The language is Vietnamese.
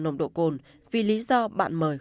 nồng độ cồn vì lý do bạn mời